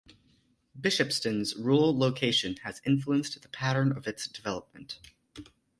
Bishopston's rural location has influenced the pattern of its development.